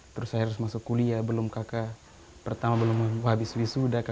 terus saya harus masuk kuliah belum kakak pertama belum habis wisuda